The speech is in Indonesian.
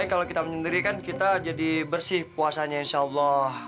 karena kalau kita menyendiri kan kita jadi bersih puasanya insya allah